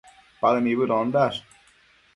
Paë nibëdondash